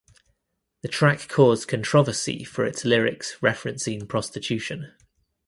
The track caused controversy for its lyrics referencing prostitution.